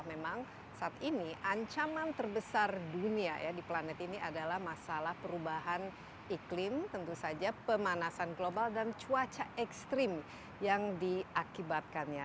memang saat ini ancaman terbesar dunia di planet ini adalah masalah perubahan iklim tentu saja pemanasan global dan cuaca ekstrim yang diakibatkannya